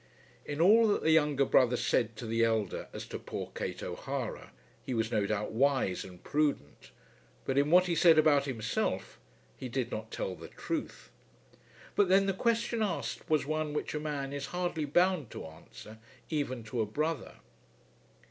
In all that the younger brother said to the elder as to poor Kate O'Hara he was no doubt wise and prudent; but in what he said about himself he did not tell the truth. But then the question asked was one which a man is hardly bound to answer, even to a brother.